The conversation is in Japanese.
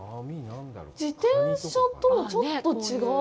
自転車ともちょっと違う。